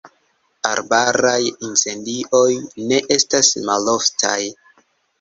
Arbaraj incendioj ne estas maloftaj.